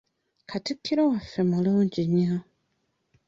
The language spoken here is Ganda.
Katikkiro waffe mulungi nnyo.